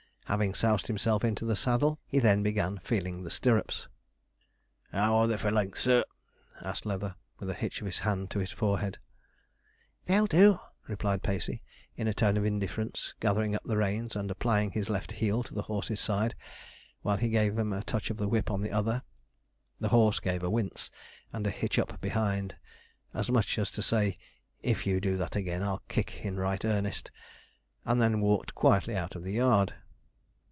Having soused himself into the saddle, he then began feeling the stirrups. 'How are they for length, sir?' asked Leather, with a hitch of his hand to his forehead. 'They'll do,' replied Pacey, in a tone of indifference, gathering up the reins, and applying his left heel to the horse's side, while he gave him a touch of the whip on the other. The horse gave a wince, and a hitch up behind; as much as to say, 'If you do that again I'll kick in right earnest,' and then walked quietly out of the yard.